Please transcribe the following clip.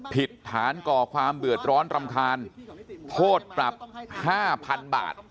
ผิดฐานก่อความเดือดร้อนรำคาญโทษปรับ๕๐๐๐บาท